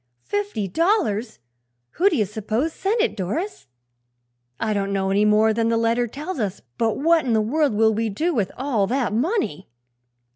"Fifty dollars! Who do you s'pose sent it, Doris?" "I don't know any more than the letter tells us; but what in the world will we do with all that money?"